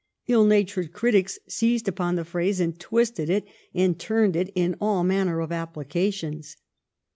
Ill natured critics seized upon the phrase and twisted it and turned it to all manner of applications.